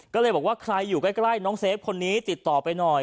ก็เลยบอกว่าใครอยู่ใกล้น้องเซฟคนนี้ติดต่อไปหน่อย